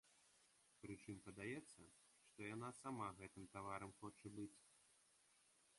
Прычым падаецца, што яна сама гэтым таварам хоча быць.